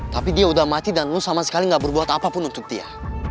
tapi dia udah mati dan lu sama sekali gak berbuat apapun untuk dia